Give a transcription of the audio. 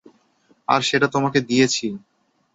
আর সেটা আমি তোমাকে দিয়েছি।